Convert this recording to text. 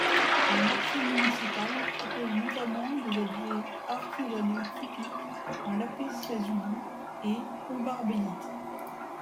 Le marché municipal propose notamment des objets artisanaux typiques en lapis-lazuli et combarbalite.